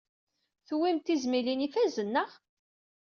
Tuwyem-d tizmilin ifazen, naɣ?